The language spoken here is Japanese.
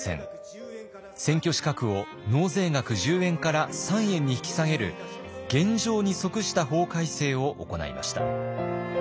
選挙資格を納税額１０円から３円に引き下げる現状に即した法改正を行いました。